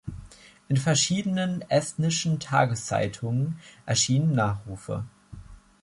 In verschiedenen estnischen Tageszeitungen erschienen Nachrufe.